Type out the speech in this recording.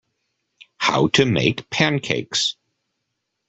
How to make pancakes.